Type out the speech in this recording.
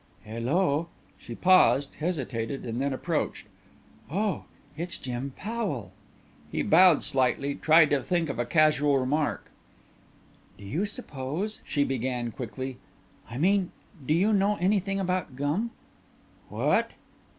"Hello " she paused, hesitated and then approached. "Oh, it's Jim Powell." He bowed slightly, tried to think of a casual remark. "Do you suppose," she began quickly, "I mean do you know anything about gum?" "What?"